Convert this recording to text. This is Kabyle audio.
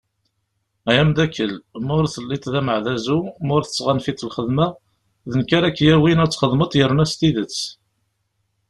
Ay amddakel, ma ur telliḍ d ameɛdazu, ma ur tettɣanfiḍ lxedma, d nekk ara ak-yawin , ad txedmeḍ yerna s tidet.